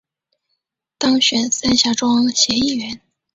当选三峡庄协议员